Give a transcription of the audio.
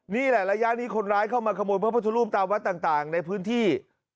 นี่แหละระยะนี้คนร้ายเข้ามาขโมยพระพุทธรูปตามวัดต่างในพื้นที่